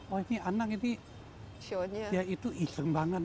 oh ini anak itu iseng banget